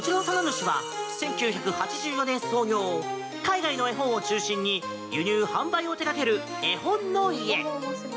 主は１９８４年創業海外の絵本を中心に輸入・販売を手掛ける絵本の家。